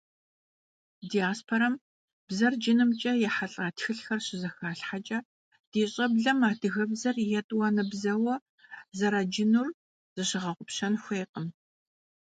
Диаспорэм бзэр джынымкӀэ ехьэлӀа тхылъхэр щызэхалъхьэкӀэ, ди щӀэблэм адыгэбзэр етӀуанэ бзэуэ зэраджынур зыщыгъэгъупщэн хуейкъым.